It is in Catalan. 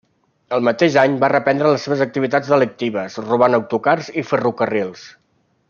El mateix any va reprendre les seves activitats delictives, robant autocars i ferrocarrils.